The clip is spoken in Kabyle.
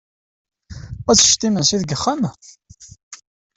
Ad teččed imensi deg uxxam?